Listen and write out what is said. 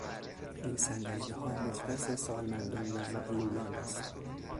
این صندلیها مختص سالمندان و معلولان است.